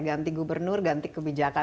ganti gubernur ganti kebijakan